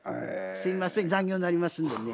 すいません残業になりますのでね。